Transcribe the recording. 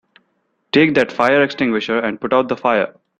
Take that fire extinguisher and put out the fire!